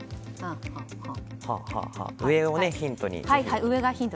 上をヒントに。